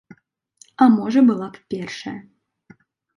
А можа была б першая.